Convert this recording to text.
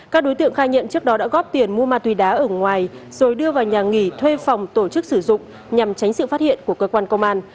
các đối tượng khai nhận trước đó đã góp tiền mua ma túy đá ở ngoài rồi đưa vào nhà nghỉ thuê phòng tổ chức sử dụng nhằm tránh sự phát hiện của cơ quan công an